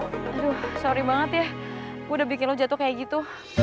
aduh sorry banget ya gue udah bikin lo jatuh kayak gitu